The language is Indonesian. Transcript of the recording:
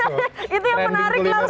itu yang menarik langsung